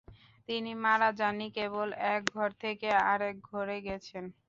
তিনি মারা যাননি, কেবল এক ঘর থেকে আর এক ঘরে গেছেন।